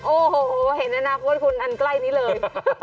โอ้โหเห็นอนาคตคุณอันใกล้นี้เลย